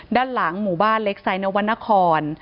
ด้านหลังหมู่บ้านเล็กไซนวรรณคร